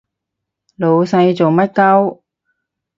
老細做乜 𨳊